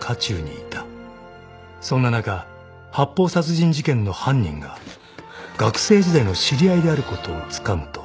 ［そんな中発砲殺人事件の犯人が学生時代の知り合いであることをつかむと］